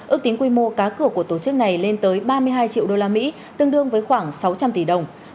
ước tính quy mô cá cửa của tổ chức này lên tới ba mươi hai triệu usd tương đương với khoảng sáu trăm linh tỷ đồng